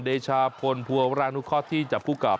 เดชาพลภัวรานุคอสที่จะผู้กับ